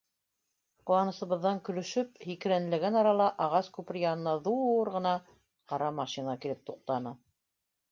Ҡыуанысыбыҙҙан көлөшөп, һикерәнләгән арала ағас күпер янына ҙур ғына ҡара машина килеп туҡтаны.